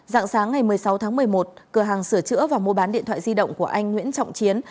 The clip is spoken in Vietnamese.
dạng sáng ngày một mươi sáu tháng một mươi một cửa hàng sửa chữa và mua bán điện thoại di động của anh nguyễn trọng chiến